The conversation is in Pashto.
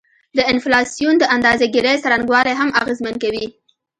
د انفلاسیون د اندازه ګيرۍ څرنګوالی هم اغیزمن کوي